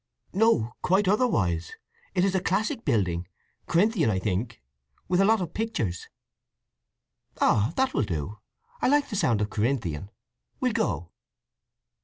"No. Quite otherwise. It is a classic building—Corinthian, I think; with a lot of pictures." "Ah—that will do. I like the sound of Corinthian. We'll go."